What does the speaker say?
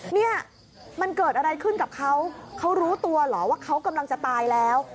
เนี่ยมันเกิดอะไรขึ้นกับเขาเขารู้ตัวเหรอว่าเขากำลังจะตายแล้ว